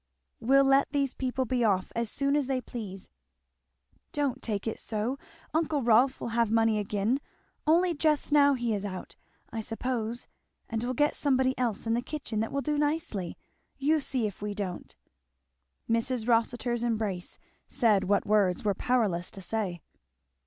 We'll let these people be off as soon as they please. Don't take it so uncle Rolf will have money again only just now he is out, I suppose and we'll get somebody else in the kitchen that will do nicely you see if we don't." Mrs. Rossitur's embrace said what words were powerless to say.